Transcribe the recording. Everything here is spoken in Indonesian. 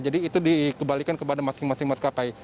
jadi itu dikembalikan kepada masing masing maskapai